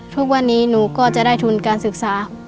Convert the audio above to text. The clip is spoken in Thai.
ทุกวันนี้หนูก็จะได้ทุนการศึกษา